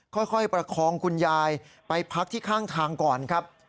ค่อยประคองคุณยายไปพักที่ข้างทางก่อนครับ